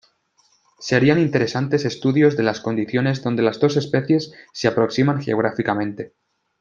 Serían interesantes estudios de las condiciones donde las dos especies se aproximan geográficamente.